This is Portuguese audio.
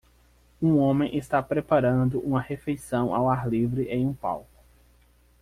Um homem está preparando uma refeição ao ar livre em um palco.